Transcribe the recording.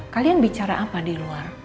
kalian bicara apa di luar